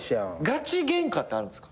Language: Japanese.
ガチゲンカってあるんですか？